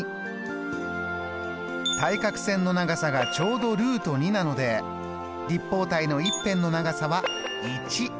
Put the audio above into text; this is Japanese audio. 対角線の長さがちょうどなので立方体の１辺の長さは１。